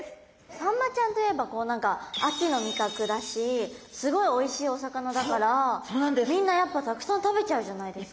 サンマちゃんといえばこう何か秋の味覚だしすごいおいしいお魚だからみんなやっぱたくさん食べちゃうじゃないですか。